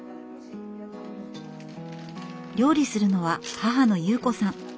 料理するのは母の裕子さん。